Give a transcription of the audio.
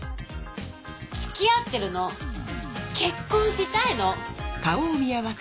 つきあってるの結婚したいの！